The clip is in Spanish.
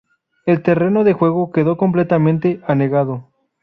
El terreno de juego quedó completamente anegado.